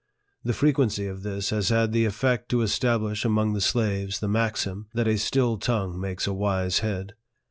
The frequency of this has had the effect to establish among the slaves the maxim, that a still tongue makes a wise head.